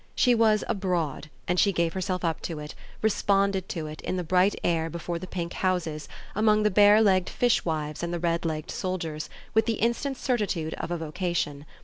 She was "abroad" and she gave herself up to it, responded to it, in the bright air, before the pink houses, among the bare legged fishwives and the red legged soldiers, with the instant certitude of a vocation.